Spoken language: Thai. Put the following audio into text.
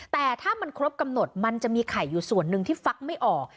แต่ถ้ามันครบกำหนดมันจะมีไข่อยู่ส่วนหนึ่งที่ฟักไม่ออก